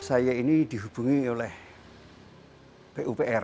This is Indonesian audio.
saya ini dihubungi oleh pupr kementerian pupr